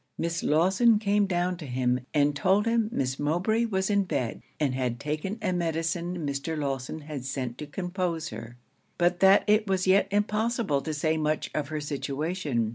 Miss Lawson came down to him, and told him Miss Mowbray was in bed, and had taken a medicine Mr. Lawson had sent to compose her; but that it was yet impossible to say much of her situation.